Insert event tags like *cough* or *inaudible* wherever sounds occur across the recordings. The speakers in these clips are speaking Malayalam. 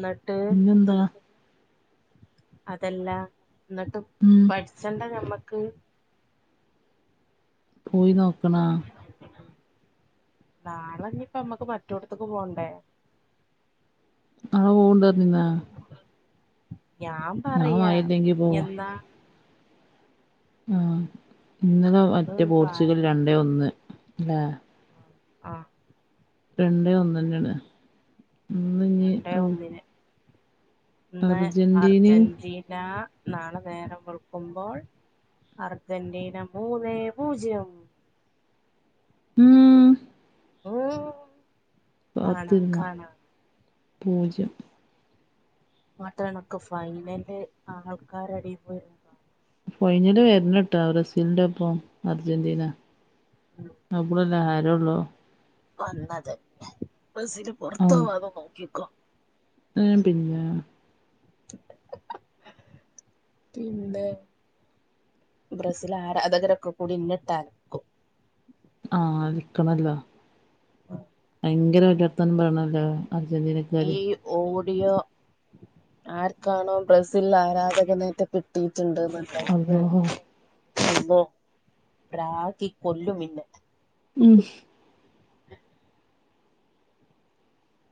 ന്നട്ട് ന്നെന്താ അതല്ല ന്നട്ട് ഉം പട്ച്ചണ്ടേ ഞമ്മക്ക് പോയി നോക്കണാ നാളെ ഞ്ഞ്പ്പൊ മ്മക്ക് മറ്റൊട്ത്ത്ക്ക് പോണ്ടേ? ങ്ങള് പോകിണ്ട് പറഞ്ഞിർന്ന ഞാ പറയാ മഴല്ലെങ്കി പോവാ പിന്നെന്നാ ആ ഇന്നലെ മറ്റേ നമുക്ക് പോർച്ചുഗൽ രണ്ടേ ഒന്ന് ല്ലേ ആഹ് രണ്ടേ ഒന്നന്നേണ്. രണ്ടേ ഒന്നിന് ഇന്ന് അർജന്റീനയും അർജന്റീന നാളെ നേരം വെൾക്കുമ്പോൾ അർജന്റീന മൂന്നേ പൂജ്യം. ഉം *unintelligible* കാണാ കാത്ത്ര്ന്നോ കാണാ പൂജ്യം. മാത്രണക്കെ ഫൈനല് ആൾക്കാരെടെപ്പോയിര്ന്ന് ഫൈനല് വര്ണട്ടോ ബ്രസീലിന്റെ ഒപ്പം അർജന്റീന അപ്പളല്ലേ ആരോ ഒള്ളു. വന്നത് ബ്രസീല് പൊർത്തോവാതെ നോക്കിക്കോ. ഉം പിന്നെ പിന്നെ ബ്രസീൽ ആരാധകരൊക്കെ കൂടി ഇന്നെട്ട ആഹ് അൽക്കണല്ലോ. ആഹ് ഭയങ്കര വല്യർത്താനം പറയണല്ലോ അർജന്റീന ഈ ഓഡിയോ ആര്ക്കാണോ ബ്രസീൽ ആരാധകനറ്റെ കിട്ടിയിട്ടിണ്ട് ന്ന് അത് അള്ളാ *unintelligible* പ്രാകി കൊല്ലും പിന്നെ ഉം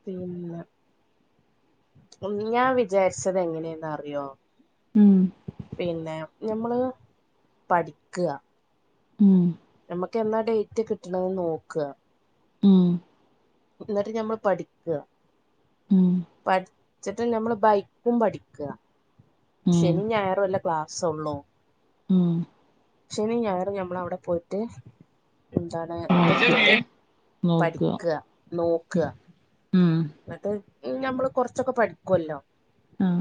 പി ഞാൻ വിചാര്ച്ചത് എങ്ങനേന്ന് അറിയോ? ഉം പിന്നെ ഞമ്മള് പഠിക്ക ഉം ഞമ്മക്കെന്നാ ഡേറ്റ് കിട്ടണെന്ന് നോക്ക ഉം ന്നട്ട് ഞമ്മള് പഠിക്ക. ഉം പഠിച്ചിട്ട് ഞമ്മള് ബൈക്കും പഠിക്ക. ഉം ശെനിം ഞായറും അല്ലേ ക്ലാസ്സൊള്ളു. ഉം ശനി ഞായറും ഞമ്മളവിടെ പോയിട്ട് എന്താണ് ഇതട്ത്തിട്ട് നോക്ക നോക്ക പഠിക്ക ഉം നോക്ക. ഉം ന്നട്ട് ഞമ്മള് കൊറച്ചൊക്കെ പഠിക്കല്ലോ. ആഹ്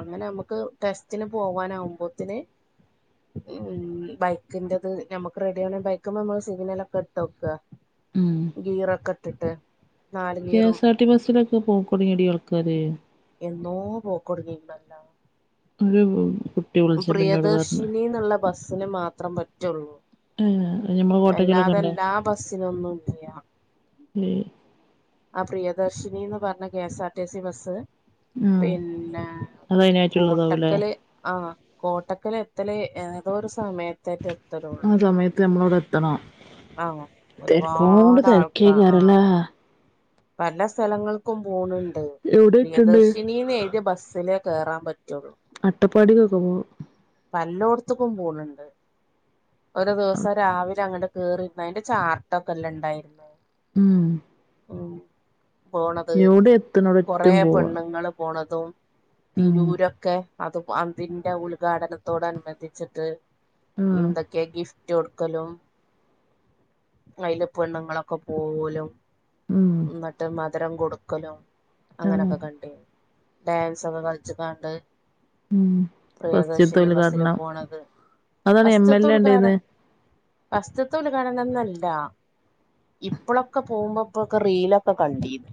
അങ്ങനെ നമ്മക്ക് ടെസ്റ്റിന് പോവാനാവ്മ്പോത്തിന് ഉം ബൈക്കിന്റത് നമ്മക്ക് റെഡി ആണെ ബൈക്ക്മ്മേ നമ്മള് സിഗ്നലൊക്കെ ട്ടോക്കാ ഉം ഗീറൊക്കെ ഇട്ട്ട്ട്. കെ എസ് ആർ ടി ബസ്സിലൊക്കെ പൊക്കൊട്ങ്ങടി ആൾക്കാര് എന്നോ പോക്ക് ഒട്ങ്ങീക്ണല്ലോ അയിൽ പോവും പ്രിയദർശിനിന്ന്ള്ള ബസ്സിന് മാത്രം പറ്റുള്ളൂ ഏഹ് ഞമ്മളെ കോട്ടക്കലൊക്കെ വല്ലാതെ ഉണ്ടോ എല്ലാ ബസിൽ ഒന്നുല്ല ഏ ആ പ്രിയദർശിനിന്ന് പറഞ്ഞ K S R T C bus ആഹ് പിന്നെ അതയിനായിട്ടുള്ളതാവൂലേ കോട്ടക്കൽ ആഹ് കോട്ടക്കൽ എത്തൽ ഏതോരു സമയത്ത് ആ സമയത്ത് നമ്മൾ അവിടെ എത്തണോ ആഹ് തെരക്കോണ്ട് ഒരുപാട് ആൾക്കാ ആഹ് തെരക്കേക്കാരല്ലേ പല സ്ഥലങ്ങൾക്കും പോണുണ്ട് എവിടെ എത്തണ്ട് പ്രിയദർശിനീന്ന് എഴുതിയ ബസ്സില് കേറാൻ പറ്റൊള്ളൂ അട്ടപ്പാടിക്കൊക്കെ പോവോ പല്ലോട്ത്ത്ക്കും പോണ്ണ്ട് ഒരു ദിവസം രാവിലെ അങ്ങട് ക്കേറി അയിന്റെ ചാർട്ടൊക്കെല്ലാം ഉണ്ടായിര് ഉം പോണത് എവിടെ എത്തണ അവിടെ കൊറെ എറ്റും പോവാ പെണ്ണുങ്ങളും പോണതും ഉം തിരൂരൊക്കെ അതും അതിന്റെ ഉദ്ഘാടനത്തോട്നുബന്ധിച്ചിട്ട് ആഹ് എന്തൊക്കേ ഗിഫ്റ്റ് ഗിഫ്റ്റ് കൊടുക്കലും അയിൽ പെണ്ണുങ്ങളൊക്കെ പോവലും ഉം ന്നട്ട് മധുരം കൊടുക്കലും അങ്ങനെ ആഹ് ഒക്കെ കണ്ടീനി ഡാൻസ് ഒക്കെ കളിച്ച്ക്കാണ്ട് ഉം ബസ്സില് ഫസ്റ്റ്ത്തേഉദ്ഘാടനം പോണത് അതാണ് എം എൽ എ ഉണ്ടായീന്നെ ഫാസ്റ്റ് ത്തെ ഉദ്ഘാടനംന്നല്ല ഇപ്പളൊക്കെ പോകുമ്പോപ്പോ റീലൊക്കെ കണ്ടീലേ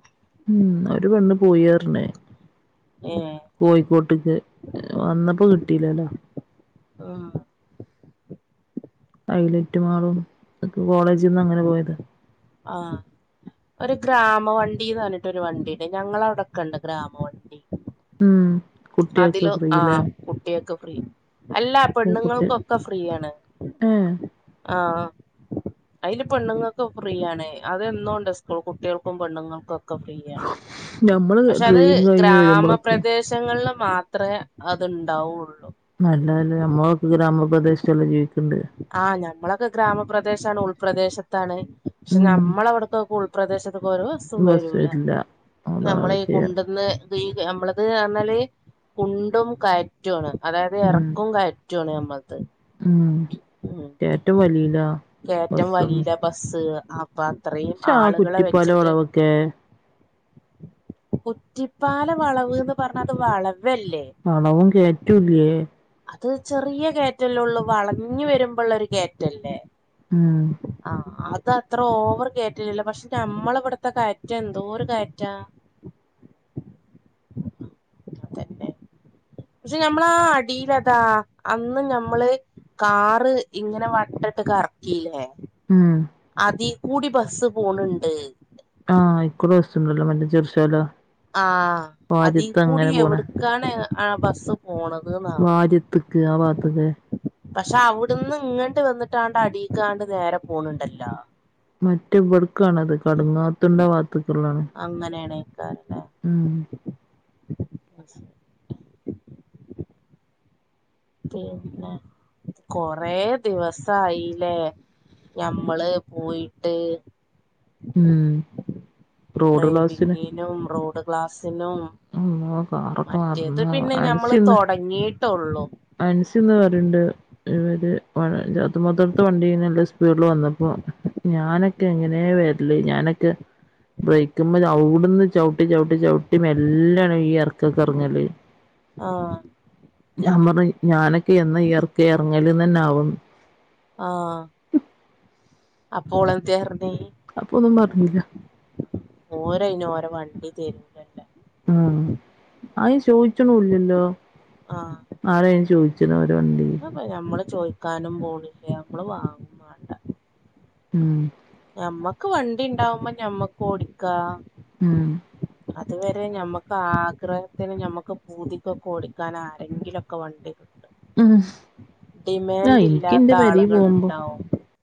ഉം ഒരു പെണ്ണ് പോയി അറ്ഞ്ഞ് ഏഹ് കോയിക്കോട്ട്ക്ക് വന്നപ്പോ കിട്ടില്ലേല്ലോ ആഹ് ഹൈലറ്റു മാളും കോളേജിന്ന് അങ്ങനെ പോയത് ആഹ് ഒരു ഗ്രാമ വണ്ടീന്ന് പറഞ്ഞിട്ട് ഒരു വണ്ടിണ്ട് ഞങ്ങളൗടൊക്കെ ഉണ്ട് ഗ്രാമ വണ്ടി ഉം കുട്ടിയാക് ഫ്രീ ല്ലേ കുട്ട്യാക് ഫ്രീ അല്ല കുട്ട്യാ പെണ്ണുങ്ങൾക്കൊക്കെ ഫ്രീയാണ് ഏഹ് ആഹ് അയില് പെണ്ണുങ്ങക്കും ഫ്രീ ആണ് അത് എന്നോ ഉണ്ട് സ്കൂൾ കുട്ട്യാൾക്കും പെണ്ണുൾക്കൊക്കെ ഒക്കെ ഫ്രീയാണ് ഞമ്മള് പക്ഷെ അത് ഡ്രൈവിങ് കഴിഞ്ഞ് വരുമ്പളൊക്കെ ഗ്രാമപ്രദേശ ദേശങ്ങളിൽ മാത്രമേ അത്ണ്ടാവുള്ളൂ നല്ലതല്ലേ നമ്മളൊക്കെ ഗ്രാമപ്രദേശല്ലേ ചോയിക്ക്ണ്ട് ആഹ് ഞമ്മളൊക്കെ ഗ്രാമപ്രദേശാണ് ഉൾപ്രദേശത്താണ് ശെ ഉം ഞമ്മളവുടുക്കൊകുൾപ്രദേശത് ട്ക്കൊരു വസ്സും ബസ് വരൂല വരില്ല അതാണ് നമ്മളീ വിഷയം കുണ്ട്ന്ന് ഈ ഞമ്മളത്അറിഞ്ഞാല് കുണ്ടും കയറ്റോണ് അതായത് ഉം എറക്കും കയറ്റൊ റ്റോ ണ് ഞമ്മൾത് ഉം കേറ്റോം വലീല കയറ്റം ബസ്സൊന്നും വലിയില ബസ്സ് അപ്പൊ അത്രീം പക്ഷെ ആ ആള്കളെ കുറ്റിപ്പാലം വെച്ചിട്ട് വളവൊക്കെ കുറ്റിപ്പാല വളവ്ന്ന് പറഞ്ഞാ അത് വളവ്വെല്ലേ വളവും കേറ്റൂല്ലേ അത് ചെറിയ കേറ്റല്ലോള്ളൂ വളഞ്ഞ് വരുമ്പൊള്ളൊരു കേറ്റല്ലേ ഉം ആഹ് അതെ ഇത്രോവറ് കയറ്റല്ലാല്ലോ പക്ഷെ ഞമ്മളവ്ടുത്തെ കയറ്റെന്തോരു കയറ്റാ? അതെന്നെ പശെ ഞമ്മളാ അടീലതാ അന്ന് ഞമ്മള് കാറ് ഇങ്ങനെ വട്ടട്ട് കർക്കീലേ? ഉം അതി കൂടി ബസ്സ് പോണ് ണ്ട് ആഹ് അയ്ക്കൂടെ ബസ്സ്ണ്ടല്ലോ മറ്റേ ചെറ്ശ്ശോല ആഹ് അതീകൂടി എവ്ട്ക്കാണ് ആ ബസ്സ് പോണത് ന്നാ വാര്യത്ത്ക്ക് ആ വാത്ത്ക്ക് പശാ അവിടുന്ന്ങ്ങട്ട് വെന്ന്ട്ടാണ്ടടീക്കാണ്ട് നേരെ പോണണ്ടല്ലോ? മറ്റവ്ട്ക്കാണത് കടുങ്ങാത്തുണ്ടാവാത്തുക്ക്ള്ളാണ്. അങ്ങനേണെയ്ക്കാരല്ലേ? ഉംഹ് പിന്നെ കൊറേ ദിവസായീലേ? ഞമ്മള് പോയിട്ട് ഉം ഹ് ഡ്രൈവിങ്ങിനും റോഡ് ക്ലാസിനും അല്ലാഹ് കാ മറ്റേത് പിന്നെ ഞമ്മള് തൊടങ്ങിയ്ട്ടൊള്ളു അൻസിന്ന് പറിണ്ട് ഇവര് വഴജ്ജാത്തുമ്മാത്താട്ത്തെ വണ്ടി നല്ല സ്പീഡില് വന്നപ്പോ ഞാന ക്കെങ്ങനെ വെര്ല് ഞാനെക്കെ ബ്രെയിക്ക്മ്മല് ഔട്ന്ന് ചവുട്ടി ചവുട്ടി ചവുട്ടി മേലെ ല്ലെണ് ഈ എറക്കൊക്കറങ്ങല് ആഹ് ഞാപറഞ്ഞ് ഞാനൊക്കെ എന്ന ഈ എറക്ക എറങ്ങല്ന്നെനാവോന്ന് ആഹ് അപ്പോളെന്തേയർഞ് അപ്പൊന്നും പർഞ്ഞില്ല ഓരയ്ന് ഓര വണ്ടി തെര് ആഹ് അയിന് ചോയിച്ചുണൂല്ലിയല്ലോ? ആഹ് ആരായിന് ചോയിച്ച്ണോര വണ്ടി അഹ്പ്പൊ ഞമ്മള് ചോയിക്കാനും പോണില്ല ഞമ്മള് വാങ്ങ ഉം ഹ് ഞമ്മക്ക് വണ്ടിണ്ടാവുമ്പോ ഞമ്മക്ക് ഓടിക്കാ ഉം അതുവരെ ഞമ്മക്ക് ആഗ്രഹത്തിന് ഞമ്മക്ക് പൂതിക്കൊക്കോടിക്കാൻ ആരെങ്കിലൊക്കെ വണ്ടി തെരും ഉം ആ എനിക്ക് ഡിമാൻഡ്ല്ലാത്ത ഇന്റെ പെരീ പോകുമ്പോ ആളുകള്ണ്ടാവും